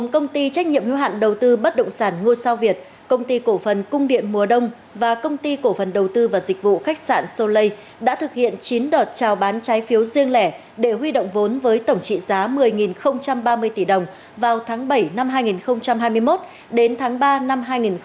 công ty trách nhiệm hưu hạn đầu tư bất động sản ngôi sao việt công ty cổ phần cung điện mùa đông và công ty cổ phần đầu tư và dịch vụ khách sạn solei đã thực hiện chín đợt trao bán trái phiếu riêng lẻ để huy động vốn với tổng trị giá một mươi ba mươi tỷ đồng vào tháng bảy năm hai nghìn hai mươi một đến tháng ba năm hai nghìn hai mươi ba